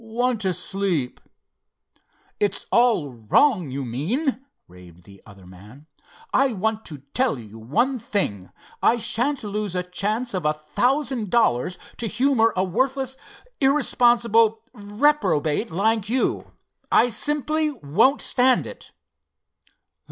"Want to sleep." "It's all wrong, you mean!" raved the other man. "I want to tell you one thing! I shan't lose a chance of a thousand dollars to humor a worthless, irresponsible reprobate like you. I simply won't stand it."